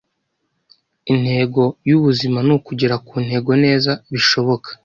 Intego yubuyobozi ni ukugera ku ntego neza bishoboka